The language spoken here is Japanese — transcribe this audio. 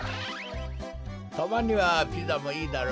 たまにはピザもいいだろ。